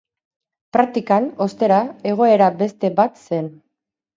Praktikan, ostera, egoera beste bat zen.